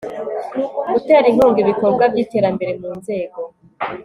gutera inkunga ibikorwa by iterambere mu nzego